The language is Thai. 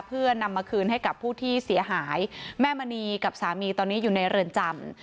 เพื่อนำมาคืนให้กับผู้ที่เสียหายแม่มณีกับสามีตอนนี้อยู่ในเรือนจำ